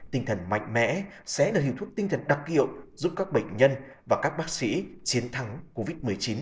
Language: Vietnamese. tinh thần mạnh mẽ sẽ là hiệu thuốc tinh thần đặc hiệu giúp các bệnh nhân và các bác sĩ chiến thắng covid một mươi chín